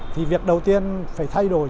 thì việc đầu tiên phải thay đổi